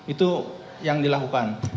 itu yang dilakukan